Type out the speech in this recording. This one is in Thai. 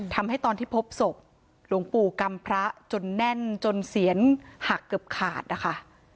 ทำให้ตอนที่พบศพหลวงปู่กำพระจนแน่นจนเสียนหักเกือบขาดนะคะ